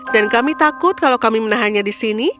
dan kami takut kalau kami menahannya di sini